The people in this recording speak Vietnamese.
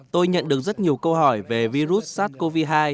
tôi nhận được rất nhiều câu hỏi về virus sars cov hai